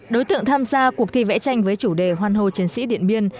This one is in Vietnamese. đối tượng tham gia cuộc thi vẽ tranh với chủ đề hoan hô chiến sĩ điện biên